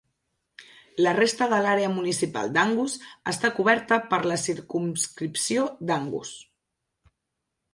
La resta de l'àrea municipal d'Angus està coberta per la circumscripció d'Angus.